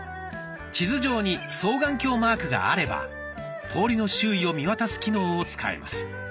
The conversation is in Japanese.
地図上に双眼鏡マークがあれば通りの周囲を見渡す機能を使えます。